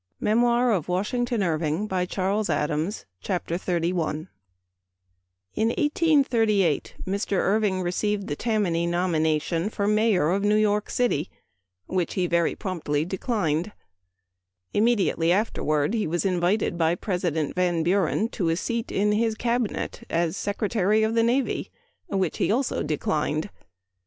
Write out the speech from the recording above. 250 Memoir of Washington Irving CHAPTER XXXI. [X 1838 Mr. Irving received the Tammany ■* nomination for Mayor of New York City, which he very promptly declined. Immediately afterward he was invited by President Van Buren to a seat in his cabinet as Secretary oi the Navy, which he also declined.